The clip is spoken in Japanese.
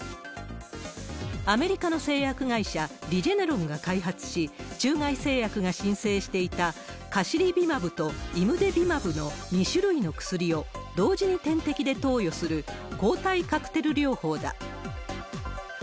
アメリカの製薬会社、リジェネロンが開発し、中外製薬が申請していた、カシリビマブとイムデビマブの２種類の薬を、同時に点滴で投与する、抗体カクテル療法だ。